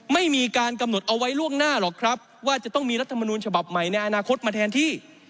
ไม่มีการกำหนดเอาไว้ล่วงหน้าหรอกครับว่าจะต้องมีรัฐมนูลฉบับใหม่ในอนาคตมาแทนที่